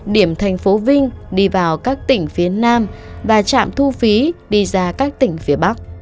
điểm thành phố vinh đi vào các tỉnh phía nam và trạm thu phí đi ra các tỉnh phía bắc